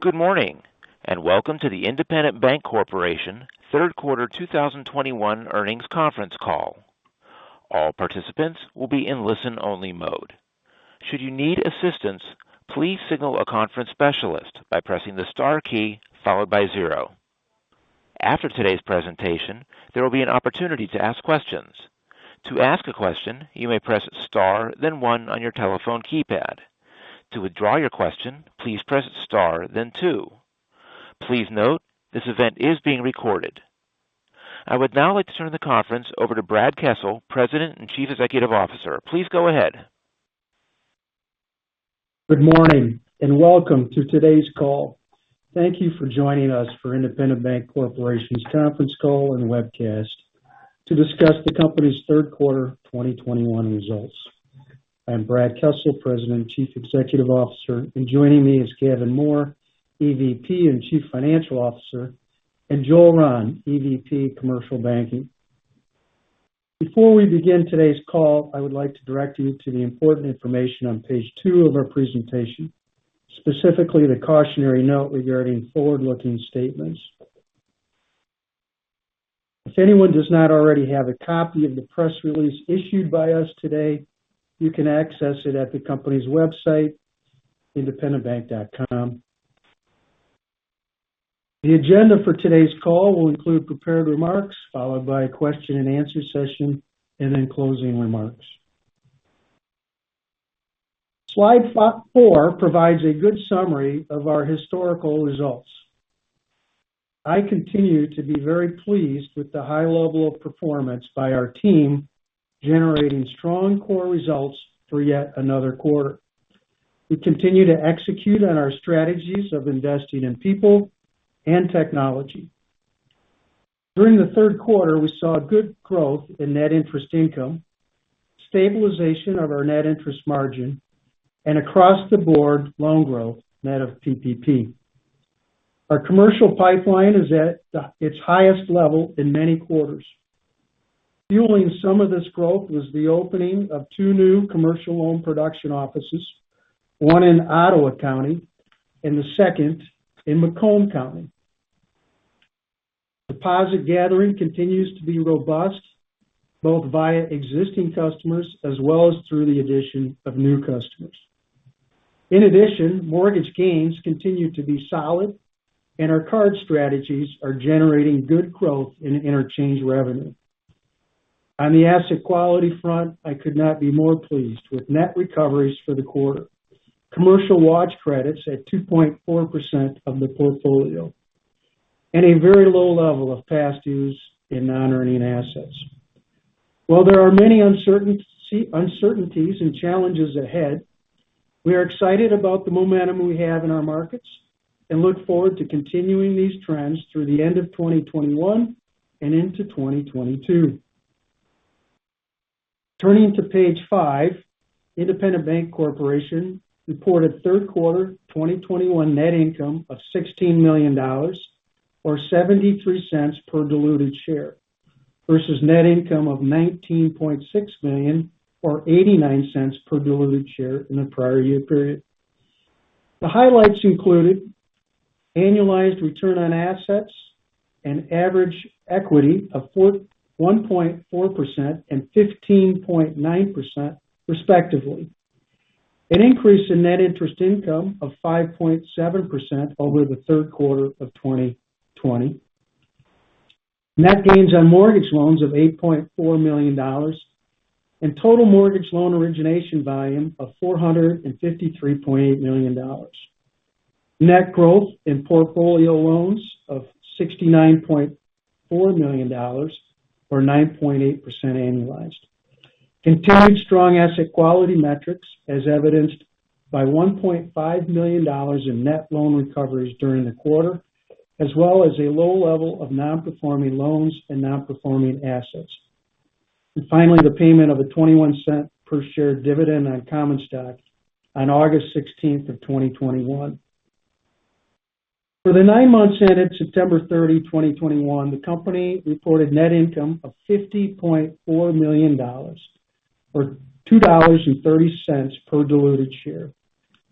Good morning, and welcome to the Independent Bank Corporation Third Quarter 2021 Earnings Conference Call. All participants will be in listen-only mode. Should you need assistance, please signal a conference specialist by pressing the star key followed by zero. After today's presentation, there will be an opportunity to ask questions. To ask a question, you may press star then one on your telephone keypad. To withdraw your question, please press star then two. Please note, this event is being recorded. I would now like to turn the conference over to Brad Kessel, President and Chief Executive Officer. Please go ahead. Good morning, and welcome to today's call. Thank you for joining us for Independent Bank Corporation's conference call and webcast to discuss the company's third quarter 2021 results. I'm Brad Kessel, President and Chief Executive Officer, and joining me is Gavin Mohr, EVP and Chief Financial Officer, and Joel Rahn, EVP Commercial Banking. Before we begin today's call, I would like to direct you to the important information on page two of our presentation, specifically the cautionary note regarding forward-looking statements. If anyone does not already have a copy of the press release issued by us today, you can access it at the company's website, independentbank.com. The agenda for today's call will include prepared remarks, followed by a question-and-answer session and then closing remarks. Slide four provides a good summary of our historical results. I continue to be very pleased with the high level of performance by our team, generating strong core results for yet another quarter. We continue to execute on our strategies of investing in people and technology. During the third quarter, we saw good growth in net interest income, stabilization of our net interest margin, and across-the-board loan growth net of PPP. Our commercial pipeline is at its highest level in many quarters. Fueling some of this growth was the opening of two new commercial loan production offices, one in Ottowa County and the second in Macomb County. Deposit gathering continues to be robust, both via existing customers as well as through the addition of new customers. In addition, mortgage gains continue to be solid, and our card strategies are generating good growth in interchange revenue. On the asset quality front, I could not be more pleased with net recoveries for the quarter. Commercial watch credits at 2.4% of the portfolio and a very low level of past dues in non-earning assets. While there are many uncertainties and challenges ahead, we are excited about the momentum we have in our markets and look forward to continuing these trends through the end of 2021 and into 2022. Turning to page five, Independent Bank Corporation reported third quarter 2021 net income of $16 million or $0.73 per diluted share versus net income of $19.6 million or $0.89 per diluted share in the prior year period. The highlights included annualized return on assets and average equity of 1.4% and 15.9% respectively. An increase in net interest income of 5.7% over the third quarter of 2020. Net gains on mortgage loans of $8.4 million and total mortgage loan origination volume of $453.8 million. Net growth in portfolio loans of $69.4 million or 9.8% annualized. Continued strong asset quality metrics as evidenced by $1.5 million in net loan recoveries during the quarter, as well as a low level of non-performing loans and non-performing assets. Finally, the payment of a $0.21 per share dividend on common stock on August 16th, 2021. For the nine months ended September 30, 2021, the company reported net income of $50.4 million or $2.30 per diluted share,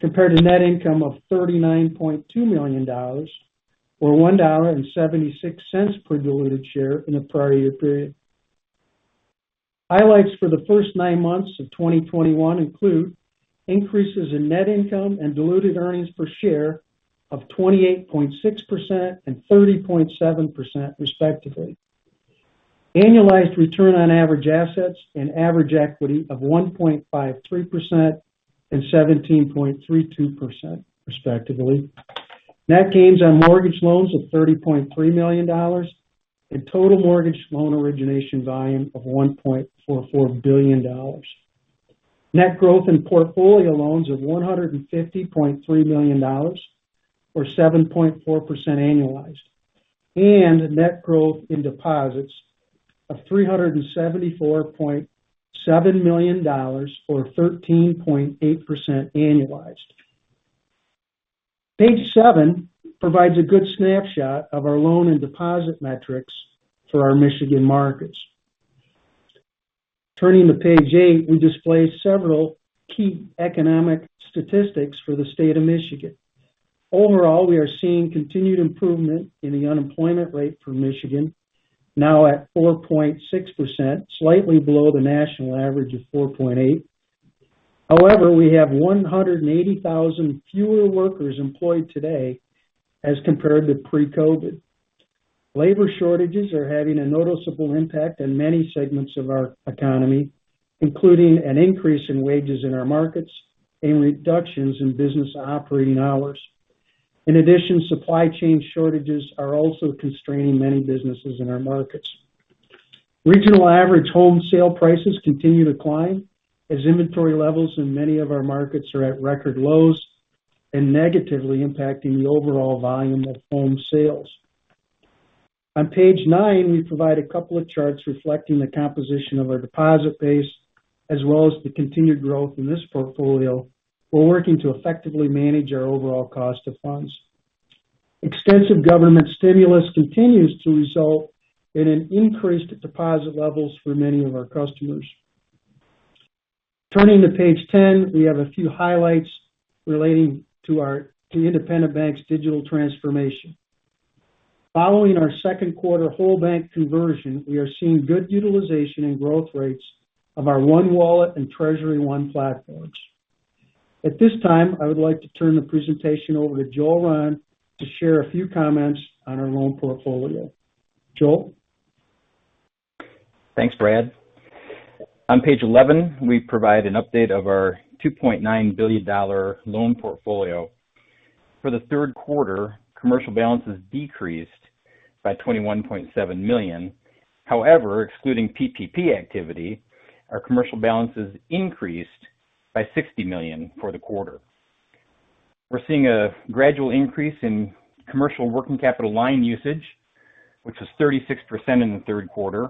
compared to net income of $39.2 million or $1.76 per diluted share in the prior year period. Highlights for the first nine months of 2021 include increases in net income and diluted earnings per share of 28.6% and 30.7% respectively. Annualized return on average assets and average equity of 1.53% and 17.32% respectively. Net gains on mortgage loans of $30.3 million and total mortgage loan origination volume of $1.44 billion. Net growth in portfolio loans of $150.3 million or 7.4% annualized. Net growth in deposits of $374.7 million or 13.8% annualized. Page seven provides a good snapshot of our loan and deposit metrics for our Michigan markets. Turning to page eight, we display several key economic statistics for the state of Michigan. Overall, we are seeing continued improvement in the unemployment rate for Michigan now at 4.6%, slightly below the national average of 4.8%. However, we have 180,000 fewer workers employed today as compared to pre-COVID. Labor shortages are having a noticeable impact in many segments of our economy, including an increase in wages in our markets and reductions in business operating hours. In addition, supply chain shortages are also constraining many businesses in our markets. Regional average home sale prices continue to climb as inventory levels in many of our markets are at record lows and negatively impacting the overall volume of home sales. On page nine, we provide a couple of charts reflecting the composition of our deposit base as well as the continued growth in this portfolio. We're working to effectively manage our overall cost of funds. Extensive government stimulus continues to result in an increased deposit levels for many of our customers. Turning to page 10, we have a few highlights relating to Independent Bank's digital transformation. Following our second quarter whole bank conversion, we are seeing good utilization and growth rates of our ONE Wallet and TreasuryONE platforms. At this time, I would like to turn the presentation over to Joel Rahn to share a few comments on our loan portfolio. Joel. Thanks, Brad. On page 11, we provide an update of our $2.9 billion loan portfolio. For the third quarter, commercial balances decreased by $21.7 million. However, excluding PPP activity, our commercial balances increased by $60 million for the quarter. We're seeing a gradual increase in commercial working capital line usage, which was 36% in the third quarter.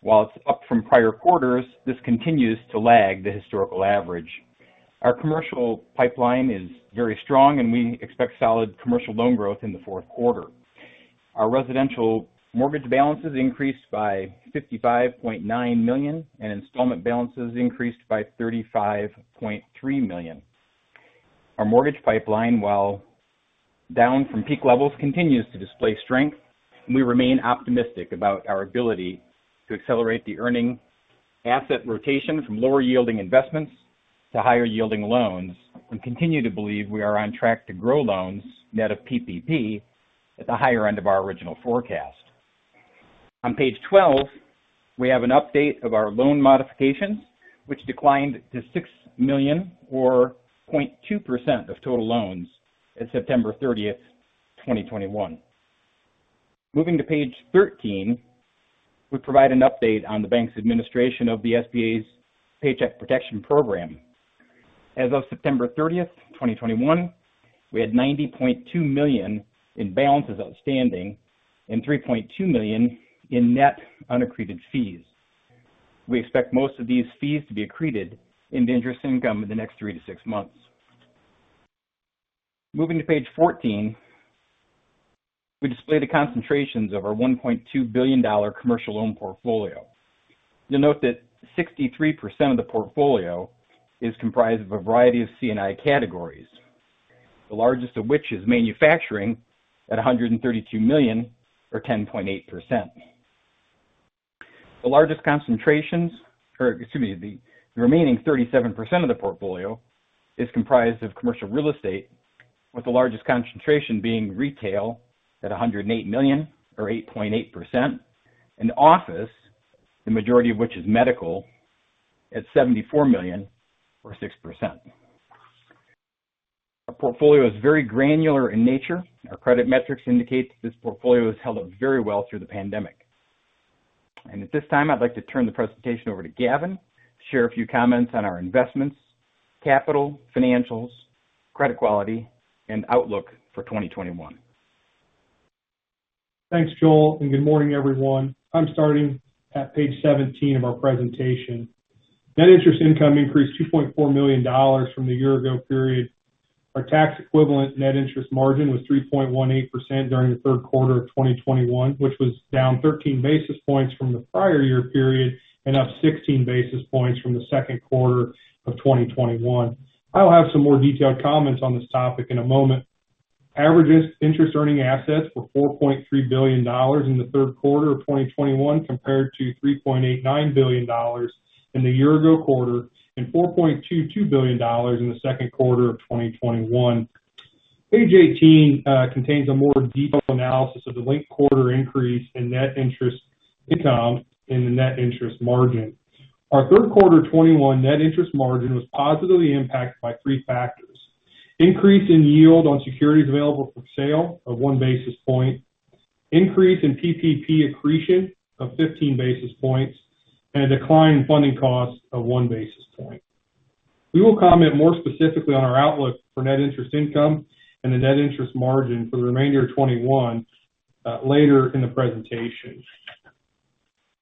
While it's up from prior quarters, this continues to lag the historical average. Our commercial pipeline is very strong, and we expect solid commercial loan growth in the fourth quarter. Our residential mortgage balances increased by $55.9 million, and installment balances increased by $35.3 million. Our mortgage pipeline, while down from peak levels, continues to display strength, and we remain optimistic about our ability to accelerate the earning asset rotation from lower yielding investments to higher yielding loans. We continue to believe we are on track to grow loans net of PPP at the higher end of our original forecast. On page 12, we have an update of our loan modifications, which declined to $6 million or 0.2% of total loans as September 30th, 2021. Moving to page 13, we provide an update on the bank's administration of the SBA's Paycheck Protection Program. As of September 30th, 2021, we had $90.2 million in balances outstanding and $3.2 million in net unaccreted fees. We expect most of these fees to be accreted into interest income in the next three to six months. Moving to page 14, we display the concentrations of our $1.2 billion commercial loan portfolio. You'll note that 63% of the portfolio is comprised of a variety of C&I categories, the largest of which is manufacturing at $132 million or 10.8%. The remaining 37% of the portfolio is comprised of commercial real estate, with the largest concentration being retail at $108 million or 8.8%, and office, the majority of which is medical, at $74 million or 6%. Our portfolio is very granular in nature. Our credit metrics indicate that this portfolio has held up very well through the pandemic. At this time, I'd like to turn the presentation over to Gavin to share a few comments on our investments, capital, financials, credit quality, and outlook for 2021. Thanks, Joel, and good morning, everyone. I'm starting at page 17 of our presentation. Net interest income increased $2.4 million from the year ago period. Our tax equivalent net interest margin was 3.18% during the third quarter of 2021, which was down 13 basis points from the prior year period and up 16 basis points from the second quarter of 2021. I'll have some more detailed comments on this topic in a moment. Average interest earning assets were $4.3 billion in the third quarter of 2021 compared to $3.89 billion in the year ago quarter and $4.22 billion in the second quarter of 2021. Page 18 contains a more detailed analysis of the linked quarter increase in net interest income and the net interest margin. Our third quarter 2021 net interest margin was positively impacted by three factors: increase in yield on securities available for sale of 1 basis point, increase in PPP accretion of 15 basis points, and a decline in funding costs of 1 basis point. We will comment more specifically on our outlook for net interest income and the net interest margin for the remainder of 2021, later in the presentation.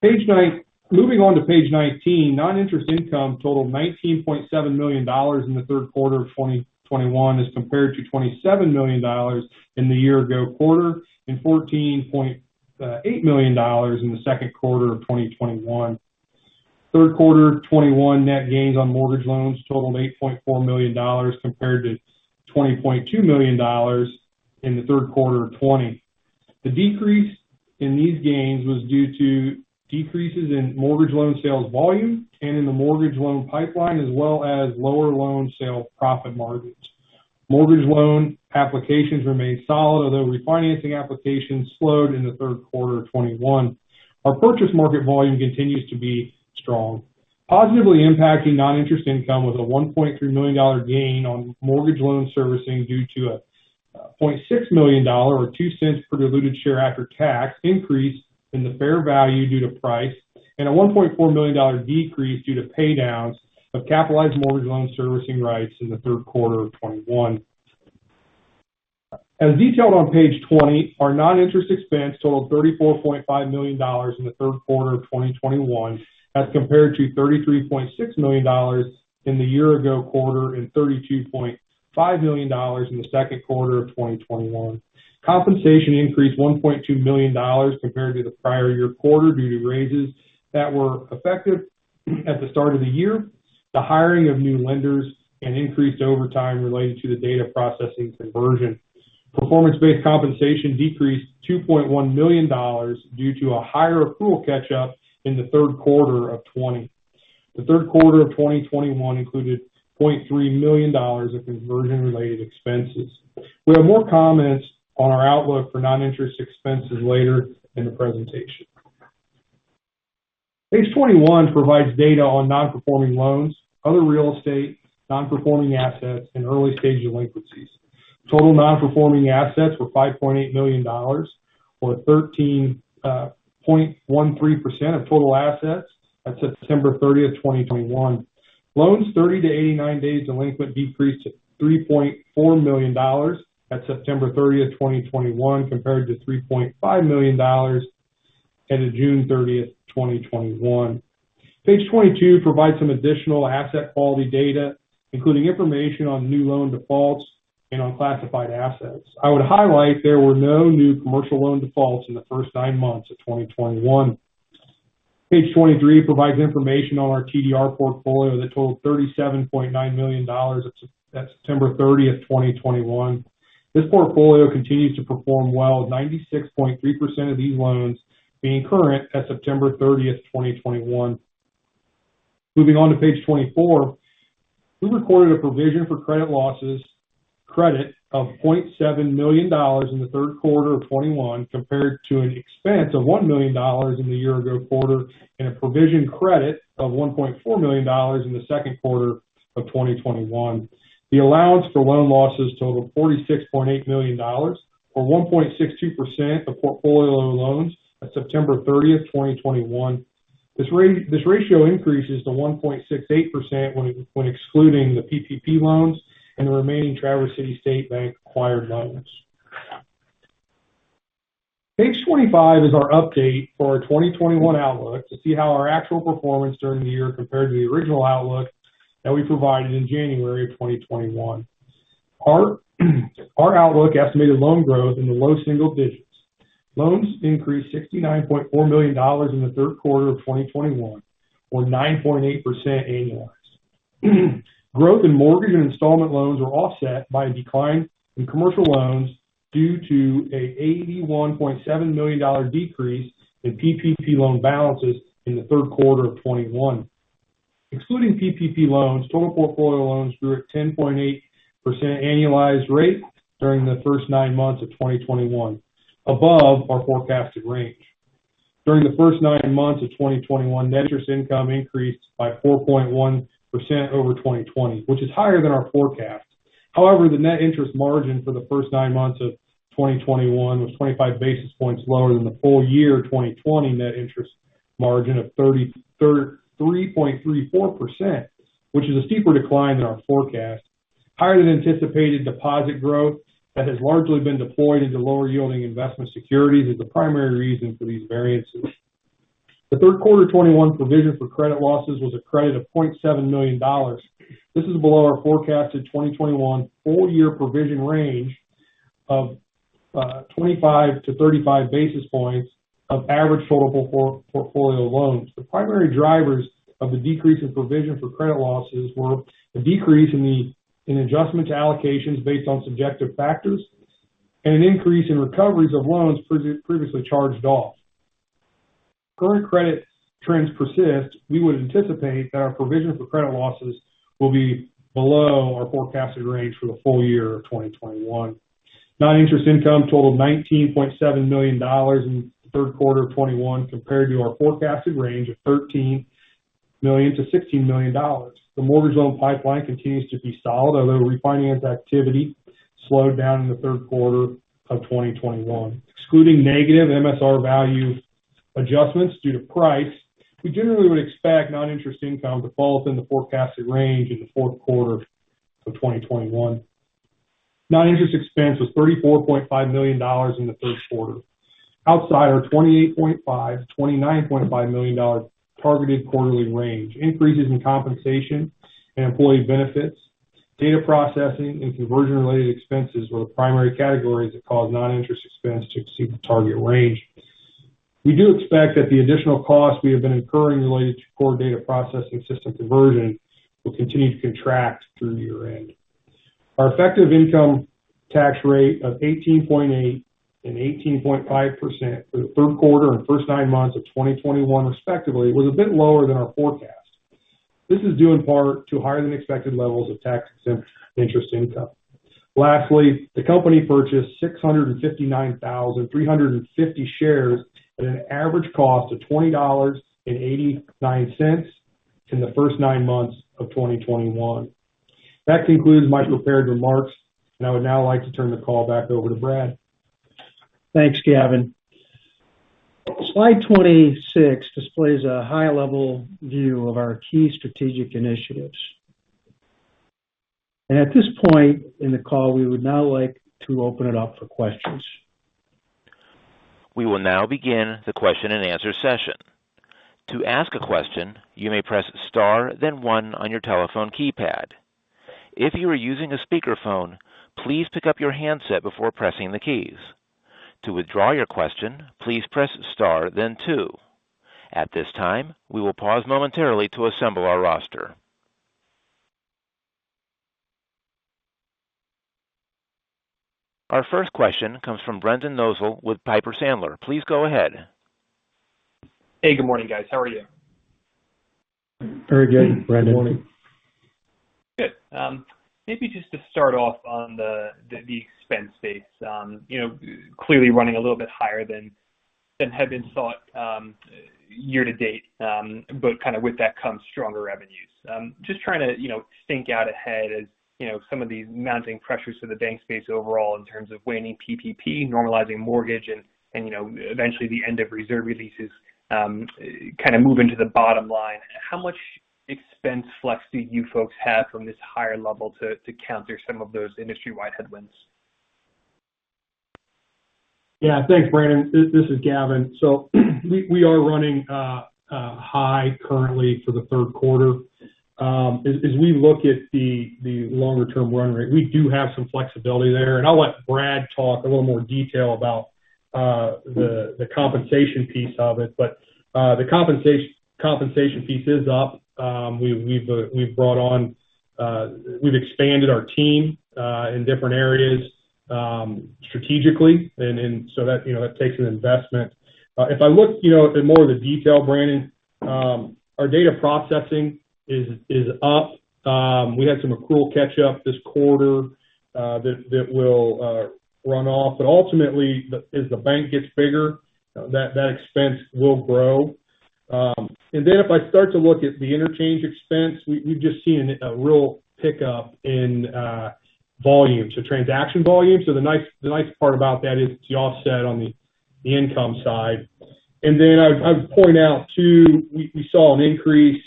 Page nine, moving on to page 19, non-interest income totaled $19.7 million in the third quarter of 2021 as compared to $27 million in the year ago quarter and $14.8 million in the second quarter of 2021. Third quarter 2021 net gains on mortgage loans totaled $8.4 million compared to $20.2 million in the third quarter of 2020. The decrease in these gains was due to decreases in mortgage loan sales volume and in the mortgage loan pipeline, as well as lower loan sale profit margins. Mortgage loan applications remained solid, although refinancing applications slowed in the third quarter of 2021. Our purchase market volume continues to be strong. Positively impacting non-interest income was a $1.3 million gain on mortgage loan servicing due to a $0.6 million or $0.02 cents per diluted share after tax increase in the fair value due to price, and a $1.4 million decrease due to pay downs of capitalized mortgage loan servicing rights in the third quarter of 2021. As detailed on page 20, our non-interest expense totaled $34.5 million in the third quarter of 2021, as compared to $33.6 million in the year ago quarter and $32.5 million in the second quarter of 2021. Compensation increased $1.2 million compared to the prior year quarter due to raises that were effective at the start of the year, the hiring of new lenders, and increased overtime related to the data processing conversion. Performance-based compensation decreased $2.1 million due to a higher accrual catch-up in the third quarter of 2020. The third quarter of 2021 included $0.3 million of conversion related expenses. We have more comments on our outlook for non-interest expenses later in the presentation. Page 21 provides data on non-performing loans, other real estate, non-performing assets, and early stage delinquencies. Total non-performing assets were $5.8 million or 13.13% of total assets at September 30th, 2021. Loans 30-89 days delinquent decreased to $3.4 million at September 30th, 2021 compared to $3.5 million at June 30th, 2021. Page 22 provides some additional asset quality data, including information on new loan defaults and on classified assets. I would highlight there were no new commercial loan defaults in the first nine months of 2021. Page 23 provides information on our TDR portfolio that totaled $37.9 million at September 30th, 2021. This portfolio continues to perform well, 96.3% of these loans being current at September 30th, 2021. Moving on to page 24, we recorded a provision for credit losses credit of $0.7 million in the third quarter of 2021 compared to an expense of $1 million in the year ago quarter and a provision credit of $1.4 million in the second quarter of 2021. The allowance for loan losses totaled $46.8 million, or 1.62% of portfolio loans at September 30th, 2021. This ratio increases to 1.68% when excluding the PPP loans and the remaining Traverse City State Bank acquired loans. Page 25 is our update for our 2021 outlook to see how our actual performance during the year compared to the original outlook that we provided in January of 2021. Our outlook estimated loan growth in the low single digits. Loans increased $69.4 million in the third quarter of 2021 or 9.8% annualized. Growth in mortgage and installment loans were offset by a decline in commercial loans due to an $81.7 million decrease in PPP loan balances in the third quarter of 2021. Excluding PPP loans, total portfolio loans grew at 10.8% annualized rate during the first nine months of 2021, above our forecasted range. During the first nine months of 2021, net interest income increased by 4.1% over 2020, which is higher than our forecast. However, the net interest margin for the first nine months of 2021 was 25 basis points lower than the full year 2020 net interest margin of 3.34%, which is a steeper decline than our forecast. Higher than anticipated deposit growth that has largely been deployed into lower yielding investment securities is the primary reason for these variances. The third quarter 2021 provision for credit losses was a credit of $0.7 million. This is below our forecasted 2021 full year provision range of 25-35 basis points of average portfolio loans. The primary drivers of the decrease in provision for credit losses were a decrease in adjustment to allocations based on subjective factors and an increase in recoveries of loans previously charged off. If current credit trends persist, we would anticipate that our provision for credit losses will be below our forecasted range for the full year of 2021. Non-interest income totaled $19.7 million in the third quarter of 2021 compared to our forecasted range of $13 million-$16 million. The mortgage loan pipeline continues to be solid, although refinance activity slowed down in the third quarter of 2021. Excluding negative MSR value adjustments due to price, we generally would expect non-interest income to fall within the forecasted range in the fourth quarter of 2021. Non-interest expense was $34.5 million in the third quarter, outside our $28.5 million-$29.5 million targeted quarterly range. Increases in compensation and employee benefits. Data processing and conversion related expenses were the primary categories that caused non-interest expense to exceed the target range. We do expect that the additional costs we have been incurring related to core data processing system conversion will continue to contract through year-end. Our effective income tax rate of 18.8% and 18.5% for the third quarter and first nine months of 2021 respectively was a bit lower than our forecast. This is due in part to higher than expected levels of tax-exempt interest income. Lastly, the company purchased 659,350 shares at an average cost of $20.89 in the first nine months of 2021. That concludes my prepared remarks, and I would now like to turn the call back over to Brad. Thanks, Gavin. Slide 26 displays a high level view of our key strategic initiatives. At this point in the call, we would now like to open it up for questions. We will now begin the question and answer session. To ask a question, you may press star then one on your telephone keypad. If you are using a speakerphone, please pick up your handset before pressing the keys. To withdraw your question, please press star then two. At this time, we will pause momentarily to assemble our roster. Our first question comes from Brendan Nosal with Piper Sandler. Please go ahead. Hey, good morning, guys. How are you? Very good, Brendan. Good morning. Good. Maybe just to start off on the expense base. You know, clearly running a little bit higher than had been thought year to date, but kind of with that comes stronger revenues. Just trying to, you know, think out ahead as, you know, some of these mounting pressures to the banking space overall in terms of waning PPP, normalizing mortgage and, you know, eventually the end of reserve releases kind of move into the bottom line. How much expense flex do you folks have from this higher level to counter some of those industry-wide headwinds? Yeah. Thanks, Brendan. This is Gavin. We are running high currently for the third quarter. As we look at the longer term run rate, we do have some flexibility there. I'll let Brad talk a little more detail about the compensation piece of it. The compensation piece is up. We've expanded our team in different areas strategically. That, you know, that takes an investment. If I look, you know, at the more of the detail, Brendan, our data processing is up. We had some accrual catch up this quarter, that will run off. Ultimately, as the bank gets bigger, that expense will grow. If I start to look at the interchange expense, we've just seen a real pickup in volume, so transaction volume. The nice part about that is it's offset on the income side. I'd point out, too, we saw an increase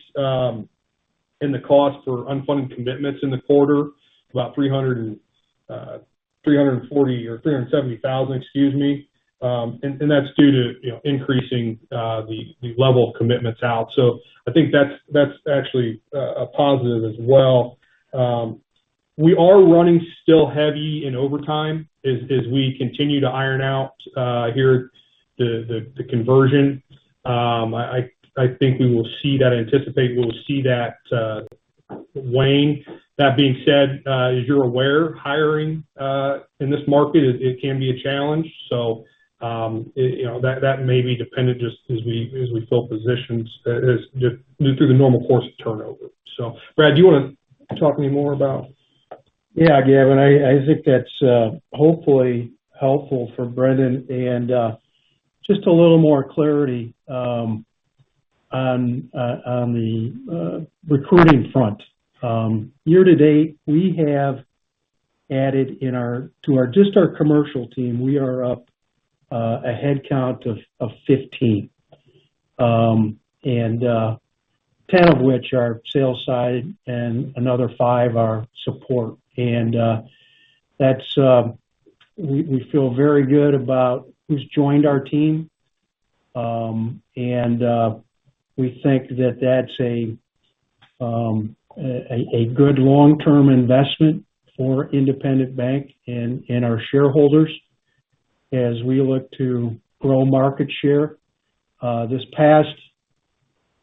in the cost for unfunded commitments in the quarter, about $340,000 or $370,000, excuse me. That's due to, you know, increasing the level of commitments out. I think that's actually a positive as well. We are running still heavy in overtime as we continue to iron out the conversion. I anticipate we will see that wane. That being said, as you're aware, hiring in this market, it can be a challenge. You know, that may be dependent just as we fill positions just through the normal course of turnover. Brad, do you want to talk any more about? Yeah. Gavin, I think that's hopefully helpful for Brendan. Just a little more clarity on the recruiting front. Year to date, we have added to our commercial team. We are up a headcount of 15. 10 of which are sales side and another five are support. We feel very good about who's joined our team. We think that that's a good long-term investment for Independent Bank and our shareholders as we look to grow market share. This past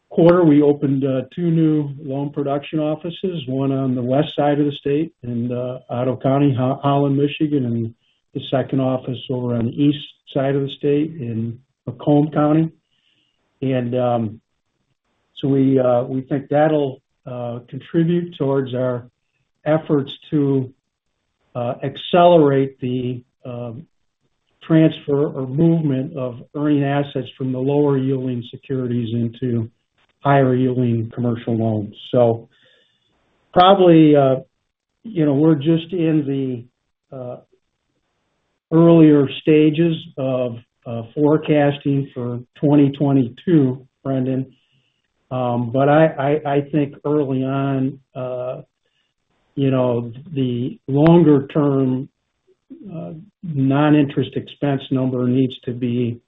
quarter, we opened two new loan production offices, one on the west side of the state in Ottawa County, Holland, Michigan, and the second office over on the east side of the state in Macomb County. We think that'll contribute towards our efforts to accelerate the transfer or movement of earning assets from the lower yielding securities into higher yielding commercial loans. Probably, you know, we're just in the earlier stages of forecasting for 2022, Brendan. I think early on, you know, the longer term non-interest expense number needs to be,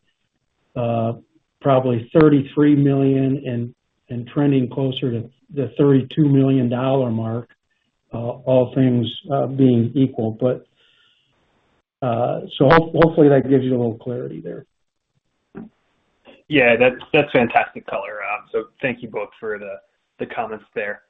probably $33 million and trending closer to the $32 million mark, all things being equal. Hopefully that gives you a little clarity there. Yeah, that's fantastic color, so thank you both for the comments there.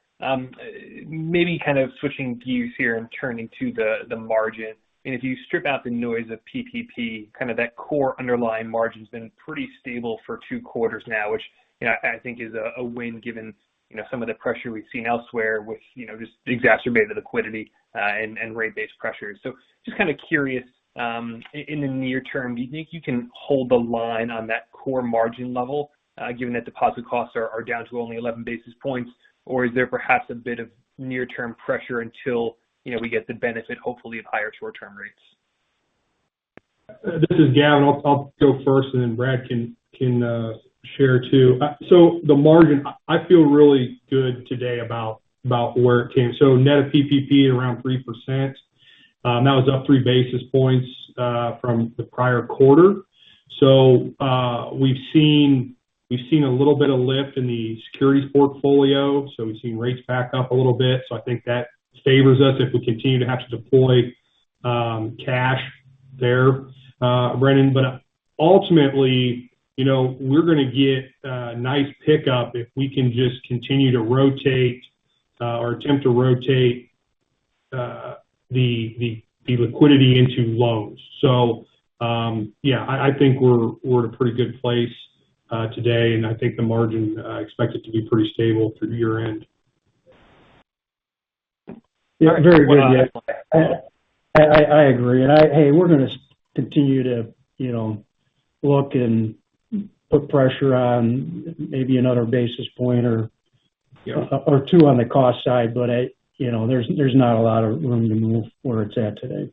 Maybe kind of switching gears here and turning to the margin. If you strip out the noise of PPP, kind of that core underlying margin has been pretty stable for two quarters now, which, you know, I think is a win given, you know, some of the pressure we've seen elsewhere, which, you know, just exacerbated liquidity and rate-based pressures. Just kind of curious, in the near term, do you think you can hold the line on that core margin level, given that deposit costs are down to only 11 basis points? Or is there perhaps a bit of near-term pressure until, you know, we get the benefit, hopefully, of higher short-term rates? This is Gavin. I'll go first and then Brad can share too. The margin, I feel really good today about where it came. Net of PPP around 3%, that was up three basis points from the prior quarter. We've seen a little bit of lift in the securities portfolio, so we've seen rates back up a little bit, so I think that favors us if we continue to have to deploy cash there, Brendan. But ultimately, you know, we're gonna get a nice pickup if we can just continue to rotate or attempt to rotate the liquidity into loans. Yeah, I think we're at a pretty good place today, and I think the margin expected to be pretty stable through year-end. Yeah. Very good. Yeah. I agree. Hey, we're gonna continue to, you know, look and put pressure on maybe another basis point or- Yeah or two on the cost side. I, you know, there's not a lot of room to move where it's at today.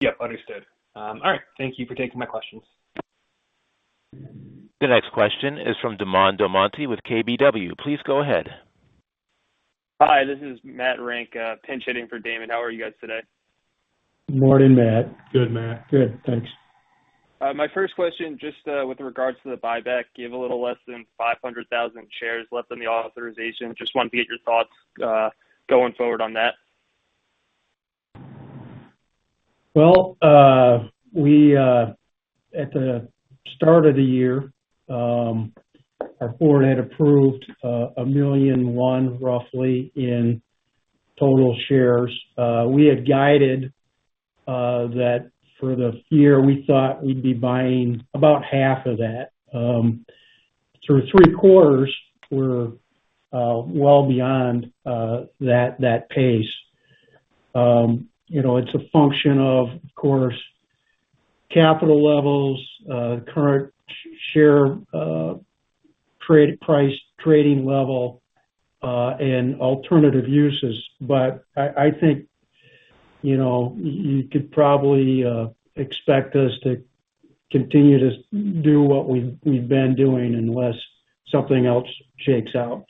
Yep, understood. All right. Thank you for taking my questions. The next question is from Damon DelMonte with KBW. Please go ahead. Hi, this is Matt Renck, pinch hitting for Damon. How are you guys today? Morning, Matt. Good, Matt. Good. Thanks. My first question, just, with regards to the buyback, you have a little less than 500,000 shares left on the authorization. Just wanted to get your thoughts, going forward on that. At the start of the year, our board had approved 1.1 million roughly in total shares. We had guided that for the year, we thought we'd be buying about half of that. Through three quarters, we're well beyond that pace. You know, it's a function of course, capital levels, current share trade price, trading level, and alternative uses. I think, you know, you could probably expect us to continue to do what we've been doing unless something else shakes out.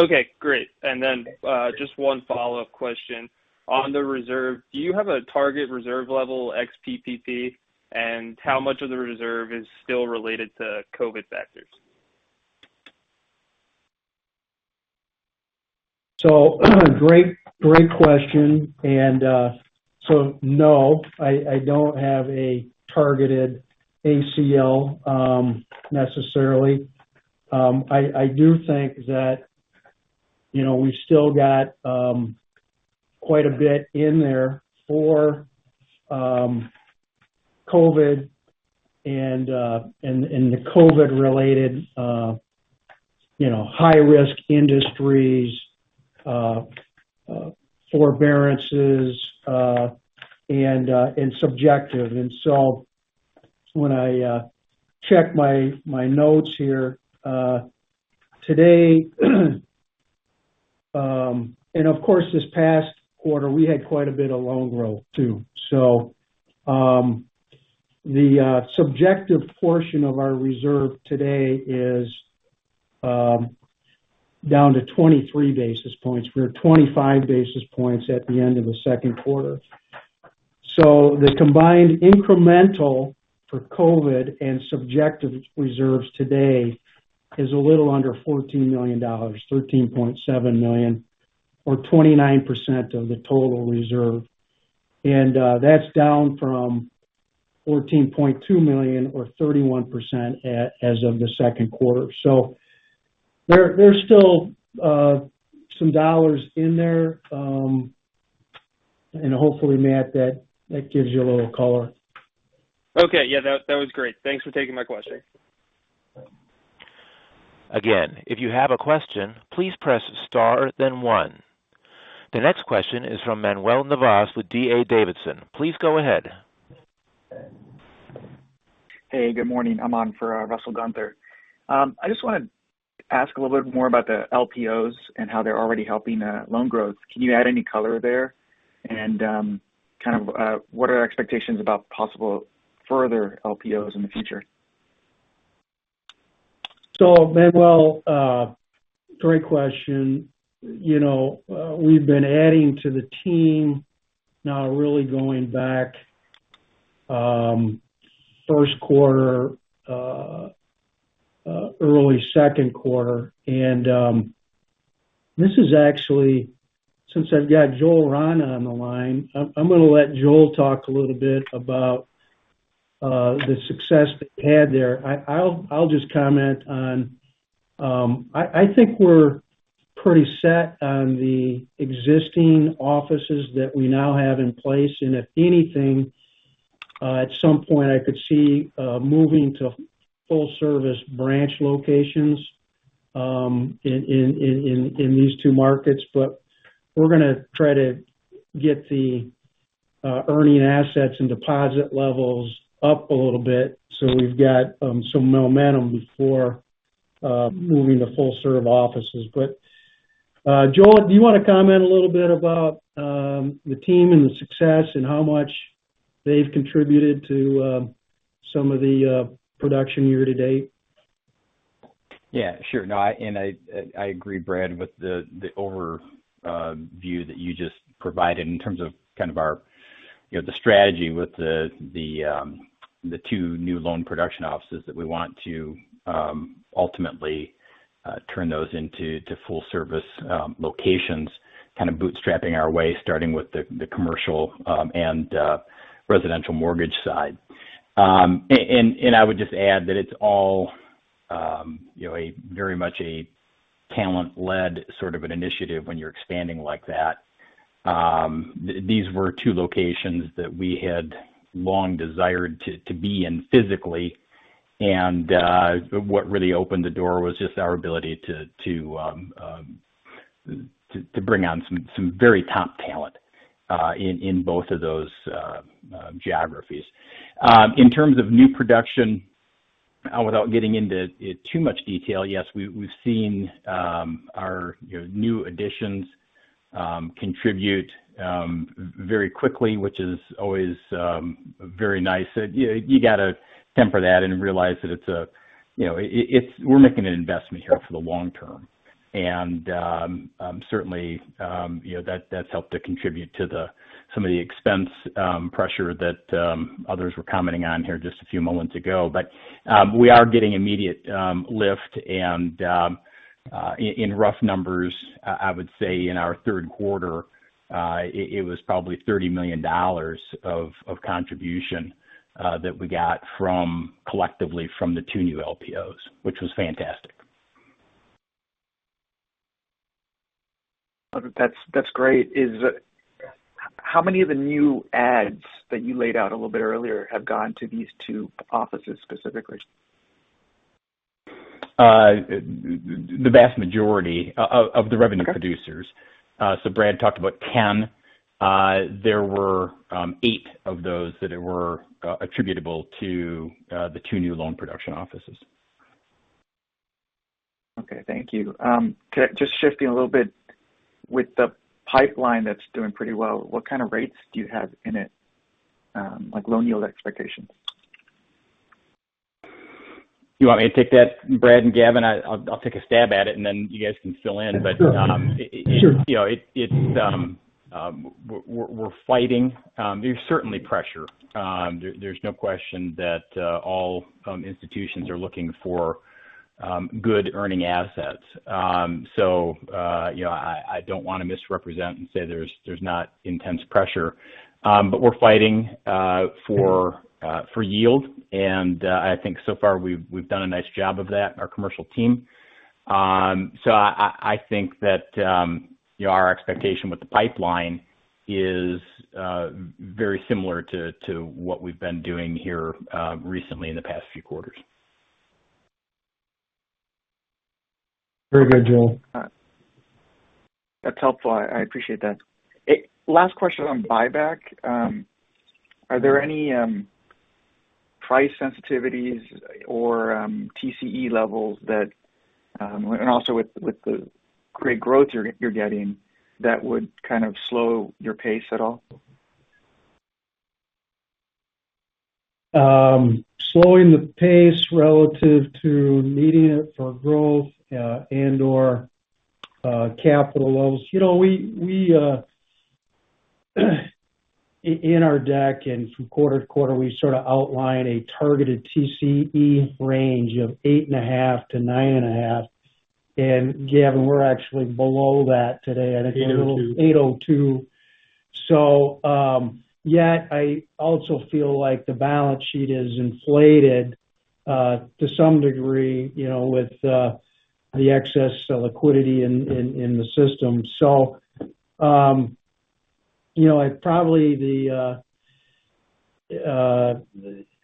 Okay, great. Just one follow-up question. On the reserve, do you have a target reserve level ex PPP? How much of the reserve is still related to COVID factors? Great question. No, I don't have a targeted ACL necessarily. I do think that, you know, we've still got quite a bit in there for COVID and the COVID-related, you know, high risk industries, forbearances, and subjective. When I check my notes here today, and of course this past quarter, we had quite a bit of loan growth too. The subjective portion of our reserve today is down to 23 basis points. We were 25 basis points at the end of the second quarter. The combined incremental for COVID and subjective reserves today is a little under $14 million, $13.7 million or 29% of the total reserve. That's down from $14.2 million or 31% as of the second quarter. There's still some dollars in there. Hopefully, Matt, that gives you a little color. Okay. Yeah, that was great. Thanks for taking my question. Again, if you have a question, please press star then one. The next question is from Manuel Navas with D.A. Davidson. Please go ahead. Hey, good morning. I'm on for Russell Gunther. I just wanted to ask a little bit more about the LPOs and how they're already helping loan growth. Can you add any color there? Kind of, what are your expectations about possible further LPOs in the future? Manuel, great question. We've been adding to the team now really going back first quarter early second quarter. Since I've got Joel Rahn on the line, I'm gonna let Joel talk a little bit about the success they've had there. I'll just comment on. I think we're pretty set on the existing offices that we now have in place. If anything, at some point I could see moving to full service branch locations in these two markets. We're gonna try to get the earning assets and deposit levels up a little bit so we've got some momentum before moving to full service offices. Joel, do you wanna comment a little bit about the team and the success and how much they've contributed to some of the production year to date? Yeah, sure. No, I agree, Brad, with the overview that you just provided in terms of our strategy with the two new loan production offices that we want to ultimately turn those into full service locations, kind of bootstrapping our way, starting with the commercial and residential mortgage side. I would just add that it's all you know a very much a talent-led sort of an initiative when you're expanding like that. These were two locations that we had long desired to be in physically. What really opened the door was just our ability to bring on some very top talent in both of those geographies. In terms of new production, without getting into too much detail, yes, we've seen our you know new additions contribute very quickly, which is always very nice. You know, you gotta temper that and realize that it's a you know. We're making an investment here for the long term. Certainly you know that's helped to contribute to some of the expense pressure that others were commenting on here just a few moments ago. We are getting immediate lift. In rough numbers I would say in our third quarter it was probably $30 million of contribution that we got collectively from the two new LPOs, which was fantastic. That's great. How many of the new adds that you laid out a little bit earlier have gone to these two offices specifically? The vast majority of the revenue producers. Okay. Brad talked about 10. There were eight of those that were attributable to the two new loan production offices. Okay, thank you. Just shifting a little bit with the pipeline that's doing pretty well, what kind of rates do you have in it? Like loan yield expectations? You want me to take that, Brad and Gavin? I'll take a stab at it, and then you guys can fill in. Sure. You know, we're fighting. There's certainly pressure. There's no question that all institutions are looking for good earning assets. You know, I don't wanna misrepresent and say there's not intense pressure. We're fighting for yield. I think so far we've done a nice job of that, our commercial team. I think that, you know, our expectation with the pipeline is very similar to what we've been doing here recently in the past few quarters. Very good, Joel. That's helpful. I appreciate that. Last question on buyback. Are there any price sensitivities or TCE levels that and also with the great growth you're getting, that would kind of slow your pace at all? Slowing the pace relative to needing it for growth, and/or, capital levels. You know, we in our deck and from quarter to quarter, we sort of outline a targeted TCE range of 8.5%-9.5%. Gavin, we're actually below that today. 8:02%. Yet I also feel like the balance sheet is inflated to some degree, you know, with the excess liquidity in the system. You know,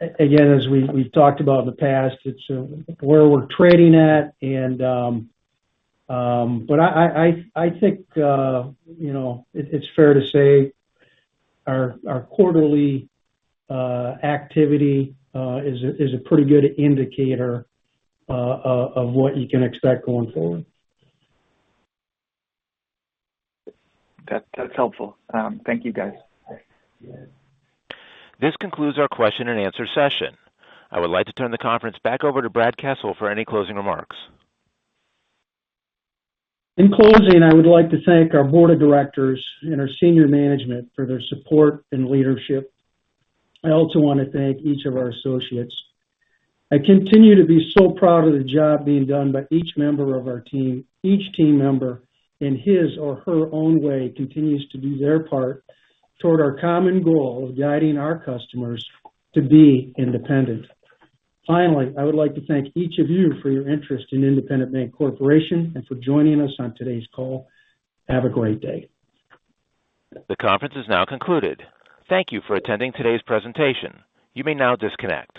again, as we've talked about in the past, it's where we're trading at. I think, you know, it's fair to say our quarterly activity is a pretty good indicator of what you can expect going forward. That, that's helpful. Thank you, guys. This concludes our question and answer session. I would like to turn the conference back over to Brad Kessel for any closing remarks. In closing, I would like to thank our board of directors and our senior management for their support and leadership. I also want to thank each of our associates. I continue to be so proud of the job being done by each member of our team. Each team member, in his or her own way, continues to do their part toward our common goal of guiding our customers to be independent. Finally, I would like to thank each of you for your interest in Independent Bank Corporation and for joining us on today's call. Have a great day. The conference is now concluded. Thank you for attending today's presentation. You may now disconnect.